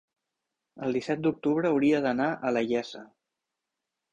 El disset d'octubre hauria d'anar a la Iessa.